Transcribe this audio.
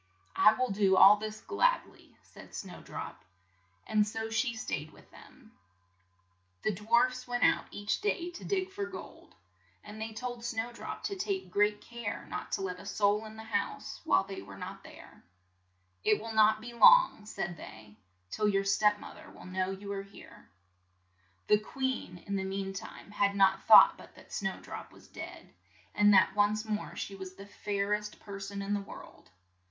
"I will do all this glad ly," said Snow drop, and so she stayed with them. The dwarfs went out each day to dig for gold, and they told Snow drop to take great care not to let a soul in the house while they were not there, "It will not be long," said they, "till your step moth er will know you are here." The queen in the mean time had no thought but that Snow drop was dead, and that once more she was the fair est per son in the world.